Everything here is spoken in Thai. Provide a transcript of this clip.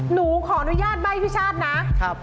หนูขออนุญาตใบ้พี่ชาตินะครับครับ